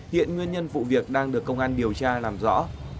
hiện nguyên nhân vụ việc đang được công an điều tra làm rõ